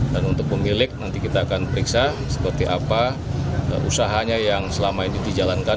dan untuk pemilik nanti kita akan periksa seperti apa usahanya yang selama ini dijalankan